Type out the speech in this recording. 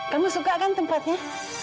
kamu suka kan tempatnya